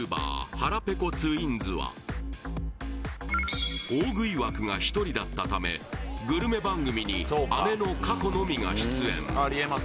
はらぺこツインズは大食い枠が１人だったためグルメ番組に姉のかこのみが出演